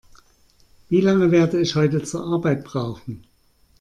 Wie lange werde ich heute zur Arbeit brauchen?